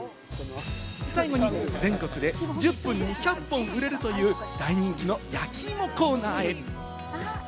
最後に、全国で１０分に１００本売れるという大人気の焼き芋コーナーへ。